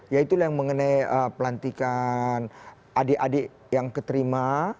yaitu yang mengenai pelantikan adik adik yang keterima